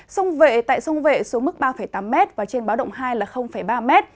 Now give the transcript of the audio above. sông vệ tại sông vệ xuống mức ba tám m và trên báo động hai là ba m